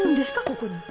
ここに。